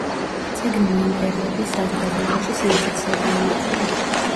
წიგნმა იმ პერიოდის საზოგადოებაში სენსაცია გამოიწვია.